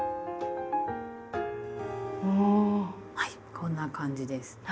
こんな感じです。